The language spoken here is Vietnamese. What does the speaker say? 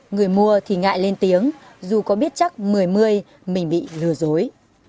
người mua thì ngại lên tiếng dù có biết chắc một mươi mình bị lừa dối